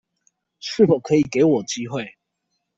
是否可以給我機會